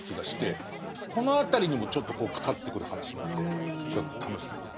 この辺りにもちょっとかかってくる話なんでちょっと楽しみ。